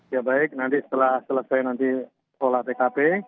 ya baik nanti setelah selesai nanti pola tkp